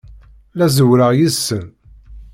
La zerrweɣ yid-sen.